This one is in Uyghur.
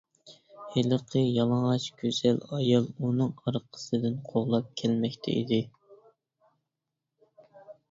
ھېلىقى يالىڭاچ گۈزەل ئايال ئۇنىڭ ئارقىسىدىن قوغلاپ كەلمەكتە ئىدى.